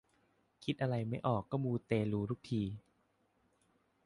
คิดอะไรไม่ออกก็มูเตลูทุกที